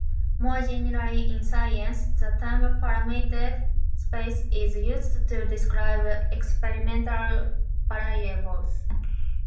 More generally in science, the term parameter space is used to describe experimental variables.